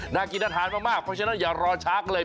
น่ากินอาหารมากเพราะฉะนั้นอย่ารอช้ากันเลย